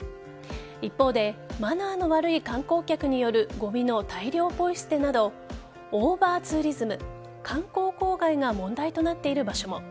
一方でマナーの悪い観光客によるごみの大量ポイ捨てなどオーバーツーリズム＝観光公害が問題となっている場所も。